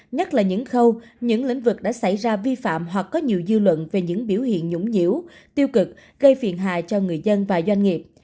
nhất là những khâu những lĩnh vực đã xảy ra vi phạm hoặc có nhiều dư luận về những biểu hiện nhũng nhiễu tiêu cực gây phiền hà cho người dân và doanh nghiệp